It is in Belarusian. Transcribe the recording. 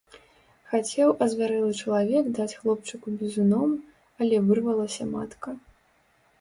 Хацеў азвярэлы чалавек даць хлопчыку бізуном, але вырвалася матка.